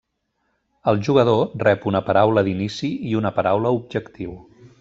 El jugador rep una paraula d'inici i una paraula objectiu.